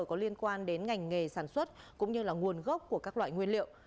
có liên quan đến ngành nghề sản xuất cũng như là nguồn gốc của các loại nguyên liệu